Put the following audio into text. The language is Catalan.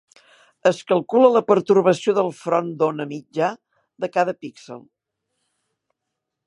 Es calcula la pertorbació del front d'ona mitjà de cada píxel.